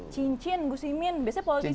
cincin gus imin biasanya polisi tuh suka lo